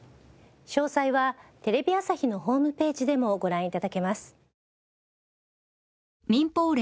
詳細はテレビ朝日のホームページでもご覧頂けます。